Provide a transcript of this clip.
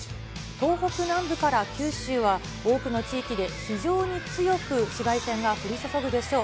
東北南部から九州は、多くの地域で非常に強く紫外線が降り注ぐでしょう。